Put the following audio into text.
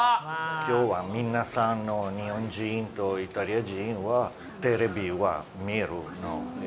きょうは皆さん、日本人とイタリア人は、テレビは見るので。